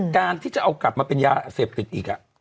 การที่จะเอากลับมาเป็นยาเสพติดอีก